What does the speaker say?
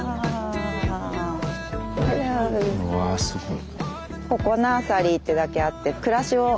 うわすごい。